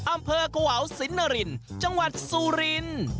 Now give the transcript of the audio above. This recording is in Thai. อำเภอกวาวศิลป์นรินดิ์จังหวัดซูรินดิ์